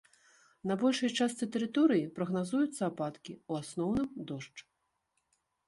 На большай частцы тэрыторыі прагназуюцца ападкі, у асноўным дождж.